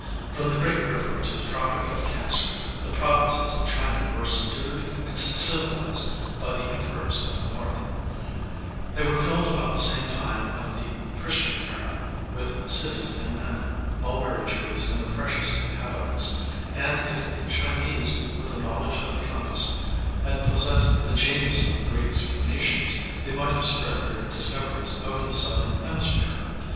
From the great river to the tropic of Cancer, the provinces of China were subdued and civilized by the emperors of the North; they were filled about the time of the Christian era with cities and men, mulberry trees and their precious inhabitants; and if the Chinese, with the knowledge of the compass, had possessed the genius of the Greeks or Phœnicians, they might have spread their discoveries over the southern hemisphere.